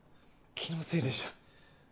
気のせいでした。